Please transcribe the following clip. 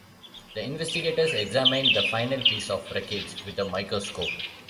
The investigators examined the final piece of wreckage with a microscope.